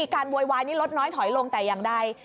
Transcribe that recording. การโวยวายนี่ลดน้อยถอยลงแต่ยังได้